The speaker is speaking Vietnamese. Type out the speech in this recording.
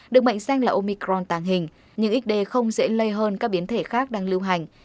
được mệnh danh là omicron tàng hình nhưng xd không dễ lây hơn các biến thể khác đang lưu hành